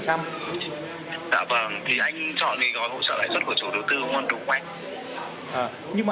cái gói hồ sơ lãi xuất của chủ đầu tư không ăn đủ quá